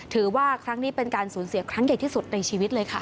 ถือว่าครั้งนี้เป็นการสูญเสียครั้งใหญ่ที่สุดในชีวิตเลยค่ะ